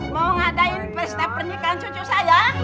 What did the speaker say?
mau ngadain pesta pernikahan cucu saya